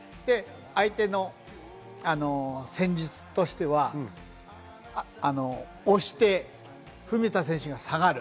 相手の戦術としては押して文田選手が下がる。